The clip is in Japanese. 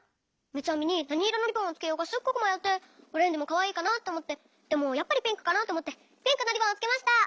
みつあみになにいろのリボンをつけようかすっごくまよってオレンジもかわいいかなっておもってでもやっぱりピンクかなっておもってピンクのリボンをつけました。